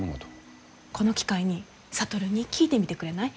この機会に智に聞いてみてくれない？